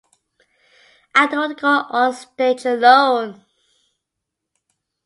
I don't want to go onstage alone.